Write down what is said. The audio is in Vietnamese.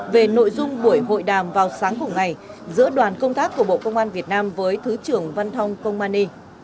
về nội dung buổi hội đàm vào sáng cùng ngày giữa đoàn công tác của bộ công an việt nam với thứ trưởng văn thông công ani